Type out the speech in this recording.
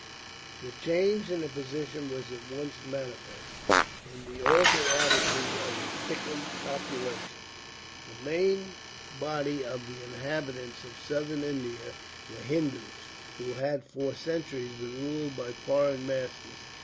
The change in the position was at once manifest, in the altered attitude of the fickle population. The main body of the inhabitants of Southern India were Hindoos, who had for centuries been ruled by foreign masters.